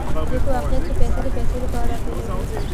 دوی په واقعیت کې پیسې د پیسو لپاره راټولوي